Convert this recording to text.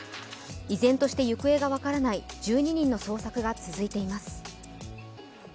依然として行方が分からない１２人の捜索が続いています。